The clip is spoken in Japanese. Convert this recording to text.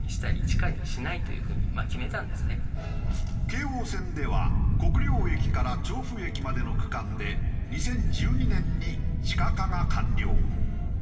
京王線では国領駅から調布駅までの区間で２０１２年に地下化が完了。